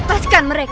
aduh aduh turun